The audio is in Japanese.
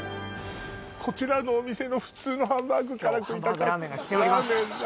こちらのお店の今日ハンバーグらーめんがきております